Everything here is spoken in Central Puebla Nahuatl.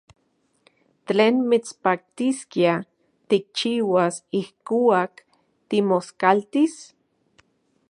¿Tlen mitspaktiskia tikchiuas ijkuak timoskaltis?